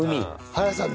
原田さん